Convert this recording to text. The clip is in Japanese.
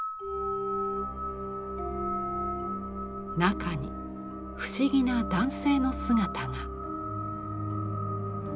中に不思議な男性の姿が。